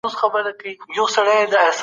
اسلام د ټولو انسانانو ساتونکی دی.